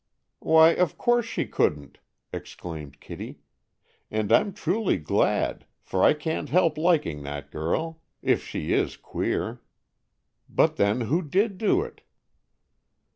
"Why, of course she couldn't!" exclaimed Kitty. "And I'm truly glad, for I can't help liking that girl, if she is queer. But, then, who did do it?"